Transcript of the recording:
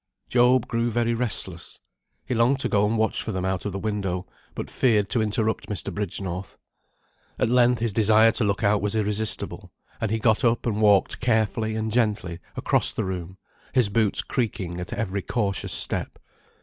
Job grew very restless. He longed to go and watch for them out of the window, but feared to interrupt Mr. Bridgenorth. At length his desire to look out was irresistible, and he got up and walked carefully and gently across the room, his boots creaking at every cautious step.